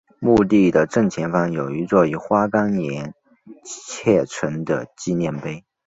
墓地的正前方有一座以花岗岩砌成的纪念碑。